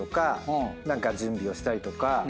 何か準備をしたりとか。